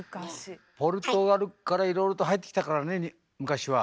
ポルトガルからいろいろと入ってきたからね昔は。